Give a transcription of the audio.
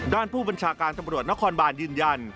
ด้านผู้บัญชาการตำรวจนครบานยืนยัน